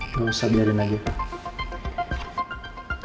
nggak usah biarin lagi kak